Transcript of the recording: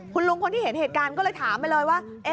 คุณลุงคนที่เห็นเหตุการณ์ก็เลยถามไปเลยว่า